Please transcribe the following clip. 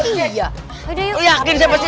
lihatin siapa sih pak robi